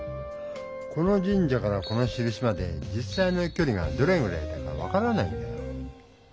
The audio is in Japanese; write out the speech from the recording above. この神社からこのしるしまで実さいのきょりがどれぐらいだか分からないんだよ。